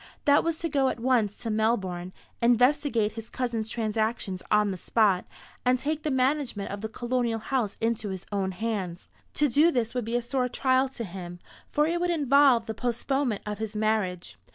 That was to go at once to Melbourne, investigate his cousin's transactions on the spot, and take the management of the colonial house into his own hands. To do this would be a sore trial to him, for it would involve the postponement of his marriage.